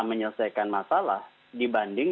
menyelesaikan masalah dibanding